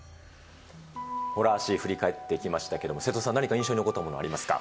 ホラー史、振り返ってきましたけども、瀬戸さん、何か印象に残ったものありますか？